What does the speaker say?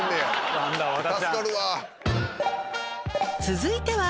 続いては。